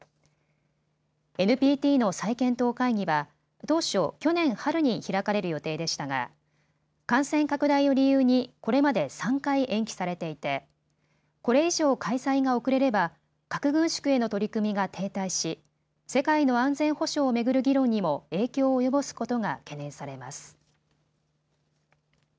ＮＰＴの再検討会議は当初、去年春に開かれる予定でしたが感染拡大を理由にこれまで３回延期されていてこれ以上、開催が遅れれば核軍縮への取り組みが停滞し世界の安全保障を巡る議論にも影響を及ぼすことが懸念されます。